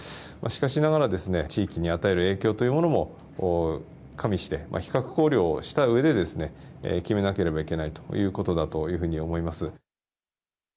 しかしながら地域に与える影響というものも加味して比較考慮をしたうえでですね、決めなければいけないということだというふうに思います。